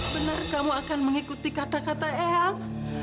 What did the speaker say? benar kamu akan mengikuti kata kata eyang